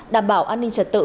đảm bảo an ninh trật tự